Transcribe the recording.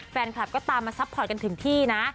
แฟนคลับก็ตามมาซัพพอร์ตกันถึงที่นะ